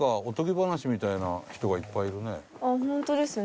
ホントですね。